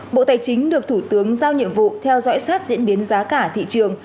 bộ tài chính được thủ tướng giao nhiệm vụ theo dõi sát diễn biến giá cả thị trường